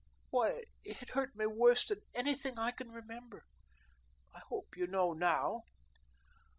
Why, it hurt me worse than anything I can remember. I hope you know now."